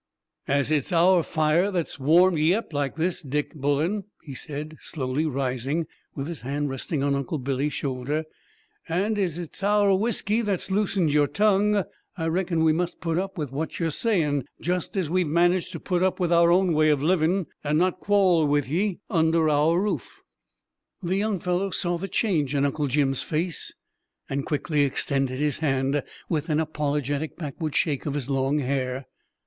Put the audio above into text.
"As it's our fire that's warmed ye up like this, Dick Bullen," he said, slowly rising, with his hand resting on Uncle Billy's shoulder, "and as it's our whiskey that's loosened your tongue, I reckon we must put up with what ye'r' saying, just as we've managed to put up with our own way o' living, and not quo'll with ye under our own roof." The young fellow saw the change in Uncle Jim's face and quickly extended his hand, with an apologetic backward shake of his long hair.